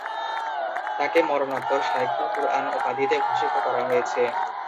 তাকে মরণোত্তর শায়খুল কুরআন উপাধিতে ভূষিত করা হয়েছে।